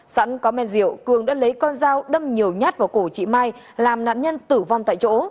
sẵn có men rượu cường đã lấy con dao đâm nhiều nhát vào cổ chị mai làm nạn nhân tử vong tại chỗ